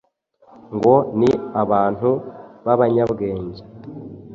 ngo ni abantu b’abanyabweng